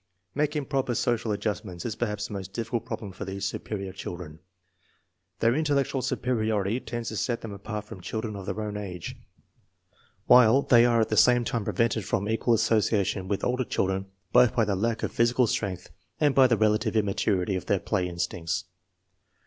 Making proper social adjust ments is perhaps the most difficult problem for these superior children. Their intellectual superiority tends to set them apart from children of their own age, while 262 INTELLIGENCE OF SCHOOL CHILDBEN they are at the same time prevented from equal asso ciation with older children both by their lack of physi cal strength and by the relative immaturity of their play instincts.